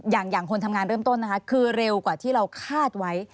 อย่างคนทำงานเริ่มต้นนะคะคือเร็วกว่าที่เราคาดไว้